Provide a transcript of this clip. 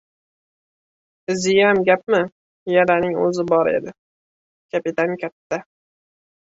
Iziyam gapmi, yaraning o‘zi bor edi, kapitan katta.